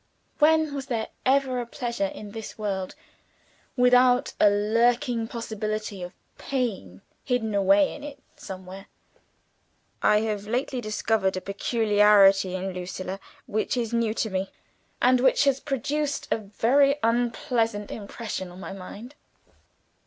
When was there ever a pleasure in this world, without a lurking possibility of pain hidden away in it somewhere? "I have lately discovered a peculiarity in Lucilla which is new to me, and which has produced a very unpleasant impression on my mind.